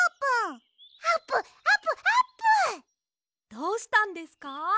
どうしたんですか？